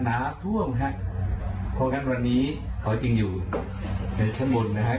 น้ำท่วมฮะเพราะฉะนั้นวันนี้เขาจึงอยู่ในชั้นบนนะฮะ